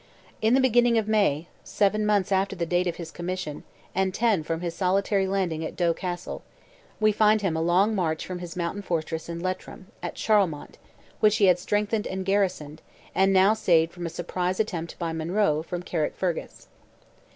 In the beginning of May—seven months after the date of his commission, and ten from his solitary landing at Doe Castle—we find him a long march from his mountain fortress in Leitrim, at Charlemont, which he had strengthened and garrisoned, and now saved from a surprise attempted by Monroe, from Carrickfergus.